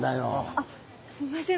あっすみません